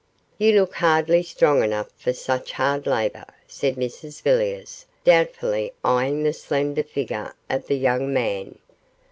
'You look hardly strong enough for such hard labour,' said Mrs Villiers, doubtfully eyeing the slender figure of the young man.